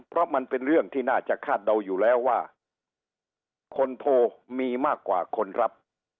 เพราะมันเป็นเรื่องที่น่าจะคาดเดาอยู่แล้วว่าคนโทรมีมากกว่าคนรับ